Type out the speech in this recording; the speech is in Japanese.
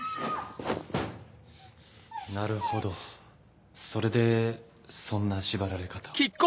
なるほどそれでそんな縛られ方を。